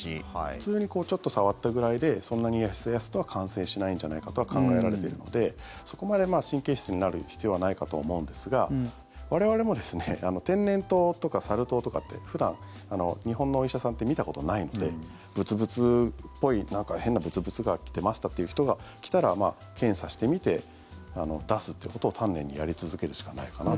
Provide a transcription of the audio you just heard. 普通にちょっと触ったぐらいでそんなにやすやすとは感染しないんじゃないかとは考えられてるのでそこまで神経質になる必要はないかと思うんですが我々も天然痘とかサル痘とかって普段、日本のお医者さんって見たことないのでぶつぶつっぽいなんか変なぶつぶつが出ましたという人が来たら検査してみて出すということを丹念にやり続けるしかないかな。